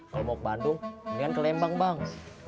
kalau mau ke bandung mendingan ke lembang bang